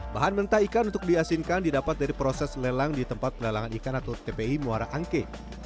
bahan mentah ikan untuk diasinkan didapat dari proses lelang di tempat pelelangan ikan atau tpi muara angke